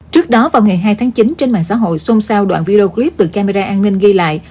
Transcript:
trước đó vào ngày hai tháng chín trên mạng xã hội xôn xao đoạn video clip từ camera an ninh ghi lại